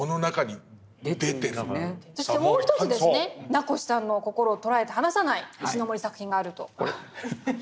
そしてもう一つですね名越さんの心を捉えて離さない石森作品があると。